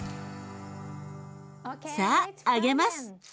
さあ揚げます。